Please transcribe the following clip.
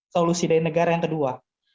solusi dari negara yang kedua